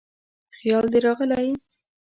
خیال دې راغلی